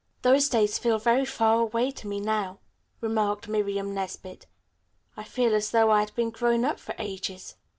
"Those days seem very far away to me now," remarked Miriam Nesbit. "I feel as though I'd been grown up for ages."